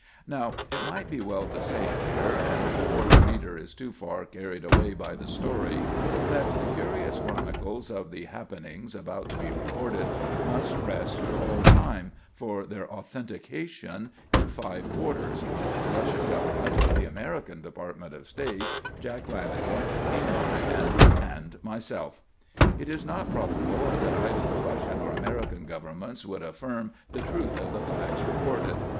Now, it might be well to say here, and before the reader is too far carried away by the story, that the curious chronicles of the happenings about to be recorded must rest for all time, for their authentication, in five quarters: the Russian government, the American Department of State, Jack Lanagan, "King" Monahan, and myself. It is not probable that either the Russian or American governments would affirm the truth of the facts recorded.